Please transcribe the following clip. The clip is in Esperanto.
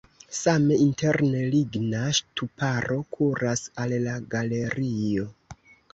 Same interne ligna ŝtuparo kuras al la galerio.